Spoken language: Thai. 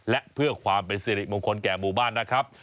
และเพื่อความเป็นสิริมงคลแก่หมู่บ้านนะครับ